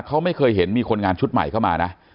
เขาไม่เคยเห็นมีคนงานชุดใหม่เข้ามานะ